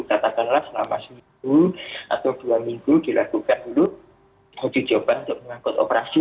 katakanlah selama seminggu atau dua minggu dilakukan dulu uji coba untuk mengangkut operasi